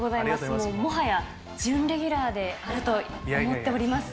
もうもはや準レギュラーであると思っております。